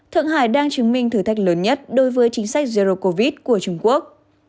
thượng hải đang chứng minh thử thách lớn nhất đối với chính sách zero covid của trung quốc